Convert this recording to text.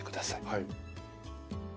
はい。